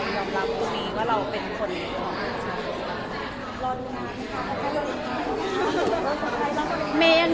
รับรับตัวบีกว่าเราเป็นบีครับ